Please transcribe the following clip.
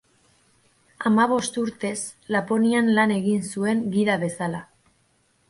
Hamabost urtez Laponian lan egin zuen gida bezala.